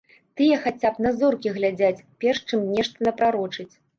Тыя хаця б на зоркі глядзяць, перш чым нешта напрарочыць.